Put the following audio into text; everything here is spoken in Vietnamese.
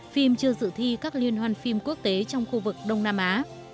phim chưa dự thi các liên hoan phim quốc tế trong khu vực đông nam á